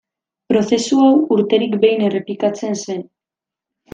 Prozesu hau urterik behin errepikatzen zen.